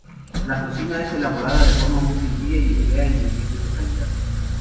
La cocina es elaborada de forma muy sencilla y emplea ingredientes de calidad.